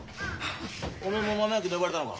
おめえも豆まきで呼ばれたのか。